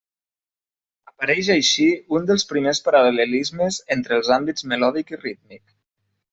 Apareix així un dels primers paral·lelismes entre els àmbits melòdic i rítmic.